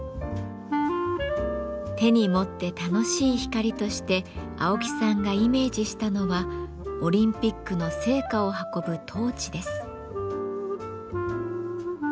手に持って楽しい光として青木さんがイメージしたのはオリンピックの聖火を運ぶトーチです。